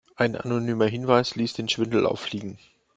Ein anonymer Hinweis ließ den Schwindel auffliegen.